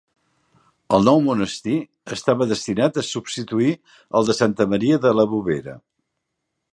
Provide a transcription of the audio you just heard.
El nou monestir estava destinat a substituir el de Santa Maria de la Bovera.